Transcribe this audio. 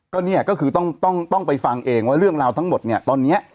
ก็เนี่ยก็คือต้องไปฟังเองว่าเรื่องราวทั้งหมดเนี่ยตอนนี้